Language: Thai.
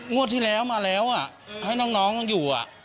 งวดที่แล้วมาแล้วให้น้องอยู่